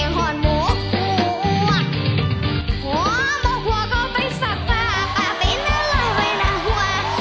หัวหมอกหัวก็ไปฝากป่าป่าเป็นอะไรไว้น่ะหัว